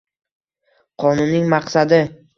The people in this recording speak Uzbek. Qonunning maqsadi